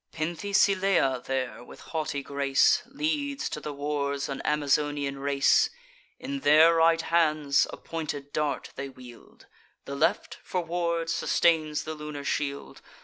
Penthisilea there, with haughty grace, Leads to the wars an Amazonian race: In their right hands a pointed dart they wield; The left, for ward, sustains the lunar shield.